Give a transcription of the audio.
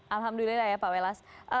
alhamdulillah ya pak welas